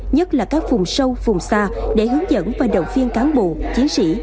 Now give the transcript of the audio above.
nhất là các vùng sâu vùng xa để hướng dẫn và đồng phiên cán bộ chiến sĩ